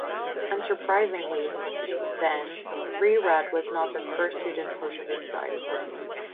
Unsurprisingly, then, Re-Rad was not the first student push of its type.